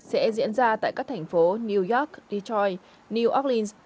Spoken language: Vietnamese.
dịch sẽ diễn ra tại các thành phố new york detroit new orleans